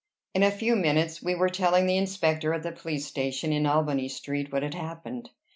In a few minutes we were telling the inspector at the police station in Albany Street what had happened.